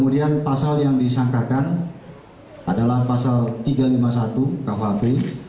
dan pasal yang disangkakan adalah pasal tiga ratus lima puluh satu khp